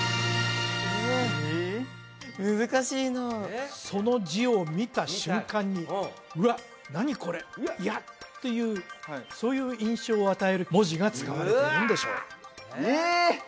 難しいなその字を見た瞬間に「うわっ何？これ嫌！」っていうそういう印象を与える文字が使われているんでしょうえ！